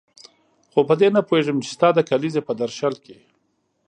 خو په دې نه پوهېږم چې ستا د کلیزې په درشل کې.